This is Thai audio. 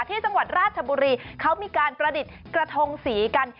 ที่จังหวัดราชบุรีเขามีการประดิษฐ์กระทงสีกัน